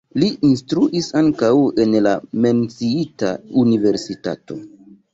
Li instruis ankaŭ en la menciita universitato.